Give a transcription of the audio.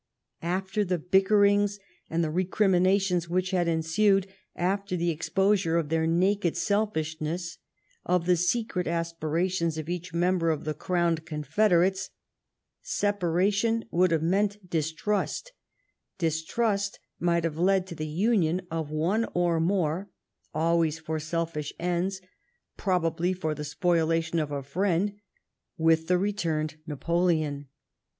After the bickerings and the recriminations which had ensued ; after the ex posure of their naked selfishness, of the secret aspirations of each member of the crowned confederates ; separation would have meant distrust : distrust might have led to the union of one or more, always for selfish ends, probably for the spoliation of a friend, with the returned Napoleon.